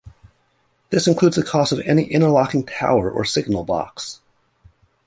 This includes the cost of any interlocking tower or signal box.